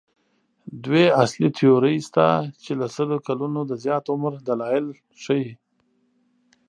دوې اصلي تیورۍ شته چې له سلو کلونو د زیات عمر دلایل ښيي.